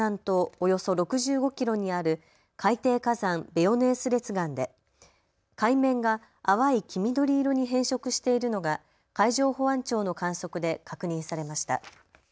およそ６５キロにある海底火山、ベヨネース列岩で海面が淡い黄緑色に変色しているのが海上保安庁の観測で確認されました。